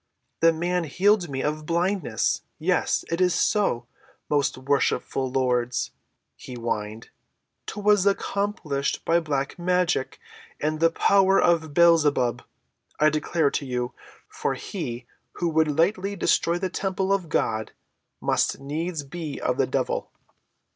"The man healed me of blindness—yes, it is so, most worshipful lords," he whined. "'Twas accomplished by black magic and the power of Beelzebub, I declare to you, for he who would lightly destroy the temple of God must needs be of the devil."